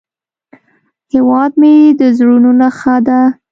هیواد مې د زړونو نخښه ده